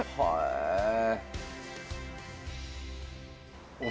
へえ。